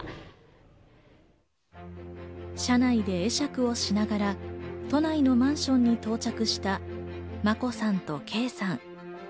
社内で会釈をしながら都内のマンションに到着した眞子さんと圭さん。